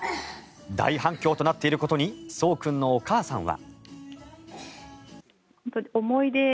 大反響となっていることにそう君のお母さんは。